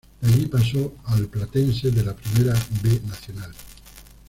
De allí, pasó al Platense de la Primera B Nacional.